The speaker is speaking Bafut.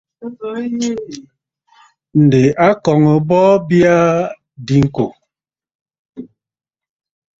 Ǹdè a kɔ̀ŋə̀ bɔɔ bya aa diŋkò.